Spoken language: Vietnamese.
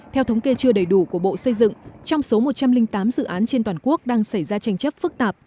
theo thống kê chưa đầy đủ của bộ xây dựng trong số một trăm linh tám dự án trên toàn quốc đang xảy ra tranh chấp phức tạp